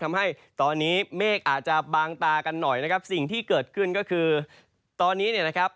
ทำให้ตอนนี้เมฆอาจจะบางตากันหน่อยนะครับสิ่งที่เกิดขึ้นก็คือตอนนี้เนี่ยนะครับ